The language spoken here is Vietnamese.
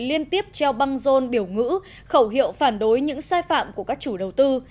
liên tiếp treo băng rôn biểu ngữ khẩu hiệu phản đối những sai phạm của các chủ đầu tư